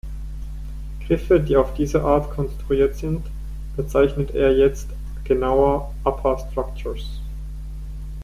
Griffe, die auf diese Art konstruiert sind, bezeichnet er jetzt genauer „Upper Structures“.